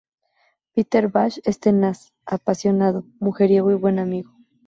Peter Bash es tenaz, apasionado, mujeriego y buen amigo.